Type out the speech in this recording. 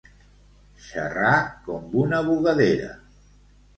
Xerrar com una bugadera.